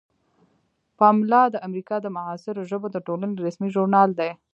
پملا د امریکا د معاصرو ژبو د ټولنې رسمي ژورنال دی.